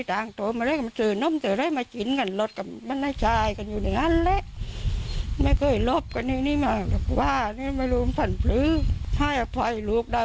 ฝั่งขึ้นอยู่ในร่างก็เคยเหยียมได้